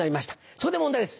そこで問題です